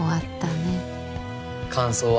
感想は？